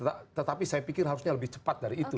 tetapi saya pikir harusnya lebih cepat dari itu